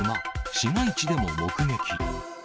市街地でも目撃。